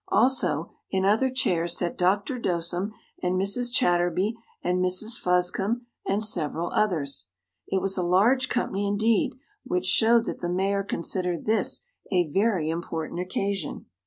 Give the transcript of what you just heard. Also, in other chairs sat Dr. Dosem, and Mrs. Chatterby, and Mrs. Fuzcum, and several others. It was a large company, indeed, which showed that the Mayor considered this a very important occasion.